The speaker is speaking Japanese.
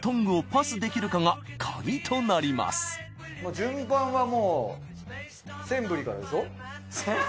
順番はもうセンブリからでしょう？